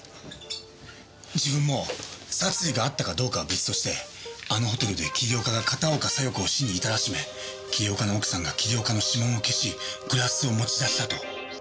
自分も殺意があったかどうかは別としてあのホテルで桐岡が片岡小夜子を死に至らしめ桐岡の奥さんが桐岡の指紋を消しグラスを持ち出したと。